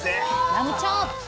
ラムチョーップ！